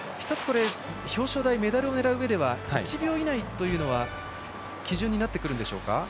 １つ、表彰台メダルを狙ううえでは１秒以内というのは基準になってくるんでしょうか。